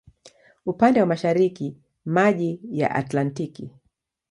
Upande wa mashariki maji ya Atlantiki.